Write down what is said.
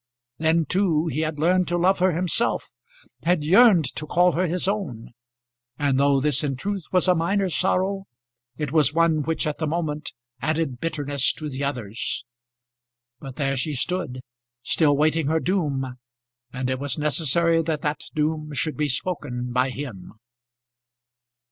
Then too he had learned to love her himself, had yearned to call her his own; and though this in truth was a minor sorrow, it was one which at the moment added bitterness to the others. But there she stood, still waiting her doom, and it was necessary that that doom should be spoken by him.